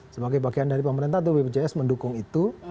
sebagai bagian dari pemerintah itu wpjs mendukung itu